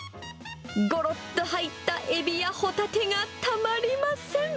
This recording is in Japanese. ごろっと入ったエビやホタテがたまりません。